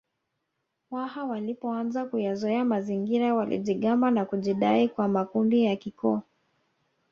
Waha walipoanza kuyazoea mazingira walijigamba na kujidai kwa makundi ya kikoo